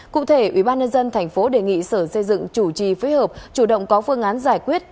cụ thể ubnd tp đề nghị sở xây dựng chủ trì phối hợp chủ động có phương án giải quyết